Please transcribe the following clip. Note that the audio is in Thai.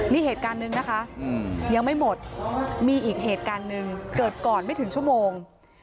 นี่เหตุการณ์หนึ่งนะคะยังไม่หมดมีอีกเหตุการณ์หนึ่งเกิดก่อนไม่ถึงชั่วโมง